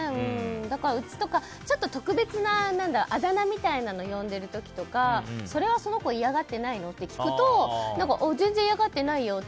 うちとかちょっと特別なあだ名とかで呼んでる時とかそれは、その子嫌がってないの？とか聞くと全然嫌がってないよって。